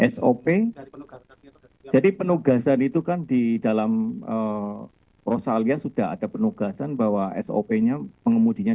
sop jadi penugasan itu kan di dalam australia sudah ada penugasan bahwa sop nya pengemudinya